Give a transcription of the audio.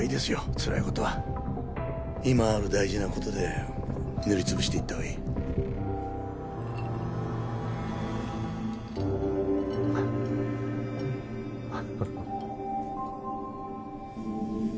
つらいことは今ある大事なことで塗りつぶしていった方がいいハハハ